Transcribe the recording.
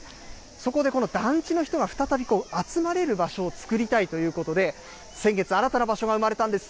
そこでこの団地の人が再び集まれる場所を作りたいということで、先月、新たな場所が生まれたんです。